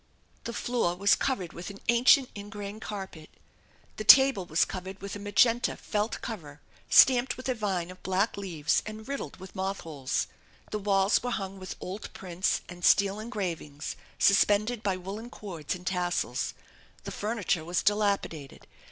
The floor was covered with an ancient ingrain carpet. The table was covered with a magenta felt cover stamped with a vine of black leaves and riddled witb moth holes. The walls were hung with old prints and steel engravings suspended by woollen cords and tassels. The furni ture was dilapidated.